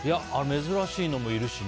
珍しいのもいるしね。